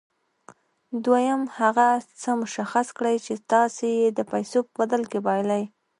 دويم هغه څه مشخص کړئ چې تاسې يې د پیسو په بدل کې بايلئ.